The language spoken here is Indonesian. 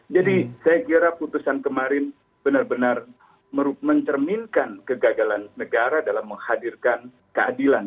jadi saya kira putusan kemarin benar benar mencerminkan kegagalan negara dalam menghadirkan keadilan